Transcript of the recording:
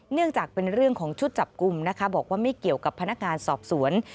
เนื่องจากเป็นเรื่องของชุดจับกลุ่มนะคะบอกว่าไม่เกี่ยวกับพนักงานสอบสวน